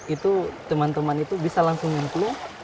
itu teman teman itu bisa langsung ngumpul